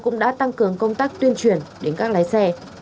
cũng đã tăng cường công tác tuyên truyền đến các lái xe